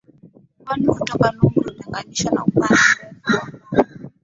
Pwani kutoka Nungwi hutenganishwa na upana mrefu wa mbao